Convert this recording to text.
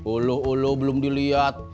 oloh oloh belum dilihat